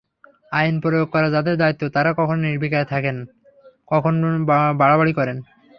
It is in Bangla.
আইন প্রয়োগ করা যাঁদের দায়িত্ব, তাঁরা কখনো নির্বিকার থাকেন, কখনো বাড়াবাড়ি করেন।